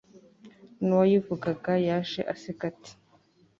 n'uwayivugaga yaje aseka ati